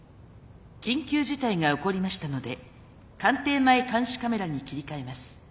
緊急事態が起こりましたので官邸前監視カメラに切り替えます。